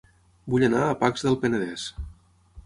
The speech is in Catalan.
Vull anar a Pacs del Penedès